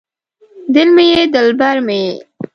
دل مې یې دلبر مې یې